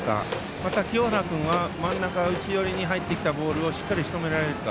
また清原君は真ん中、内寄りに入ってきたボールをしとめられるか。